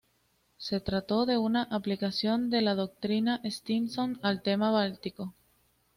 Se trató de una aplicación de la doctrina Stimson al tema báltico.